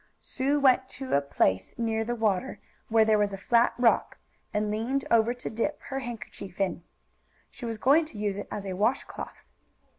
Sue went to a place near the water, where there was a flat rock, and leaned over to dip her handkerchief in. She was going to use it as a washcloth.